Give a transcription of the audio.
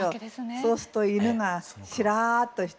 そうすると犬がしらっとして。